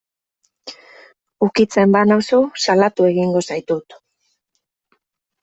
Ukitzen banauzu salatu egingo zaitut.